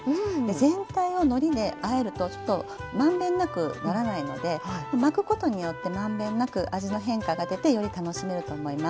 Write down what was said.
全体をのりであえると満遍なくならないので巻くことによって満遍なく味の変化が出てより楽しめると思います。